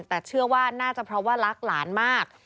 แต่เชื่อว่าน่าจะเพราะว่ารักหลานมาก